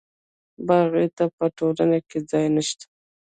باغي ته په ټولنه کې ځای نشته.